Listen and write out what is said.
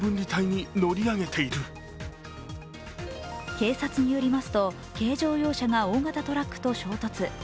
警察によりますと、軽乗用車が大型トラックと衝突。